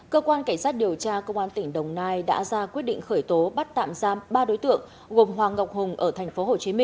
cơ quan cảnh sát điều tra công an tỉnh đồng nai đã ra quyết định khởi tố bắt tạm giam ba đối tượng gồm hoàng ngọc hùng ở tp hcm